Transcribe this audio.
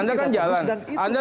anda kan jalan